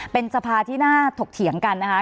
เป็นสภาที่น่าถกเถียงกันนะคะ